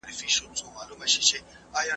آیا پسرلی تر مني ښکلی دی؟